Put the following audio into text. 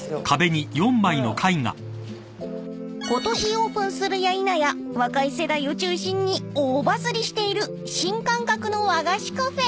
［ことしオープンするやいなや若い世代を中心に大バズりしている新感覚の和菓子カフェ］